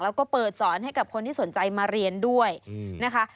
แล้วก็เปิดสอนให้กับคนที่สนใจมาเรียนด้วยนะคะ